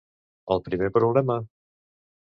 El primer problema?